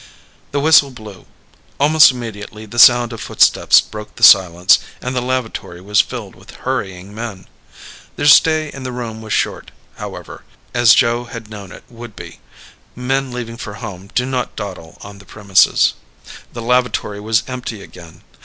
The whistle blew. Almost immediately, the sound of footsteps broke the silence and the lavatory was filled with hurrying men. Their stay in the room was short, however, as Joe had known it would be. Men leaving for home do not dawdle on the premises. The lavatory was empty again.